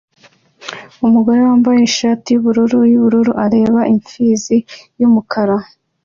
Umugore wambaye ishati yubururu yubururu areba impfizi yumukara